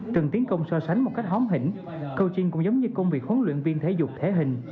trần tiến công so sánh một cách hóm hỉnh câu chin cũng giống như công việc huấn luyện viên thể dục thể hình